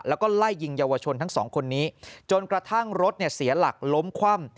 แล้วก็ไล่ยิงเยาวชนทั้งสองคนนี้จนกระทั่งรถเสียหลักล้มคว่ำ